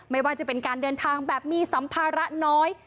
ไม่ว่าจะเป็นการเดินทางแบบมีสัมภาระน้อย